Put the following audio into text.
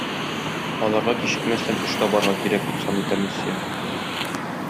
Аларга кичекмәстән эш табарга кирәк дип саный комиссия.